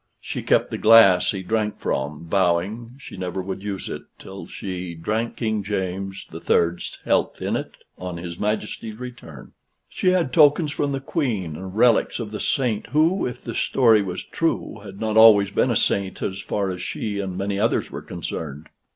She kept the glass he drank from, vowing she never would use it till she drank King James the Third's health in it on his Majesty's return; she had tokens from the Queen, and relics of the saint who, if the story was true, had not always been a saint as far as she and many others were concerned.